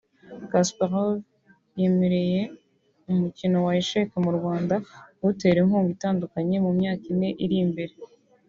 Kasparov yimereye umukino wa Echec mu Rwanda kuwutera inkunga itandukanye mu myaka ine iri imbere